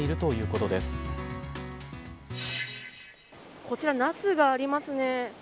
こちら、ナスがありますね。